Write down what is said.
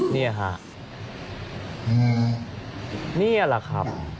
นี่แหละครับ